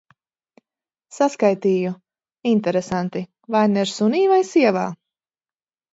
Saskaitīju. Interesanti – vaina ir sunī vai sievā?